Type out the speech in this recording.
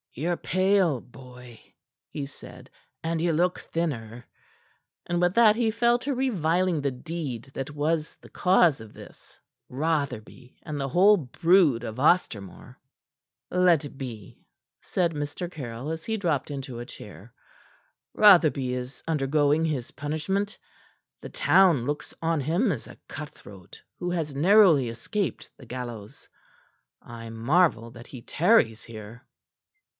"Ye're pale, boy," he said, "and ye look thinner." And with that he fell to reviling the deed that was the cause of this, Rotherby and the whole brood of Ostermore. "Let be," said Mr. Caryll, as he dropped into a chair. "Rotherby is undergoing his punishment. The town looks on him as a cut throat who has narrowly escaped the gallows. I marvel that he tarries here.